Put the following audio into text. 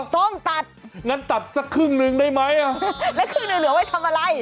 ต้องตัดงั้นตัดสักครึ่งหนึ่งได้ไหมอ่ะแล้วครึ่งหนึ่งเหลือไว้ทำอะไร